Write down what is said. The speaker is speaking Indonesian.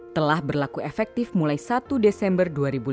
telah berlaku efektif mulai satu desember dua ribu lima belas